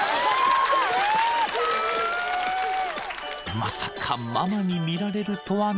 ［まさかママに見られるとはね］